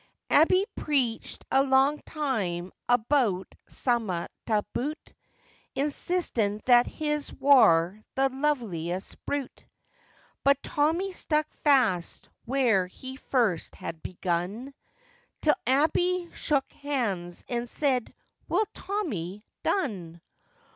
Abey preaached a lang time about summat ta boot, Insistin' that his war the liveliest brute; But Tommy stuck fast where he first had begun, Till Abey shook hands, and sed, 'Well, Tommy, done!